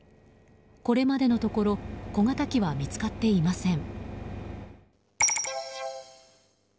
これまでのところ小型機は見つかっていません。